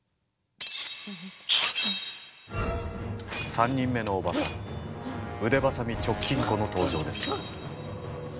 ３人目のおばさん腕鋏直近子の登場です。